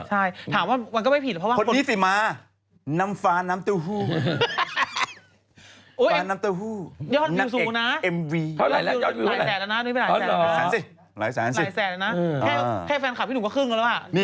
อ๋อหรอหลายแสนสิหลายแสนนะแค่แฟนคลับพี่หนูก็ครึ่งแล้วอ่ะ